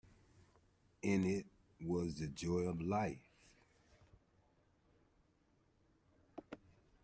In it was the joy of life.